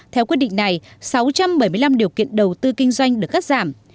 theo quyết định này sáu trăm bảy mươi năm điều kiện đầu tư kinh doanh được cắt giảm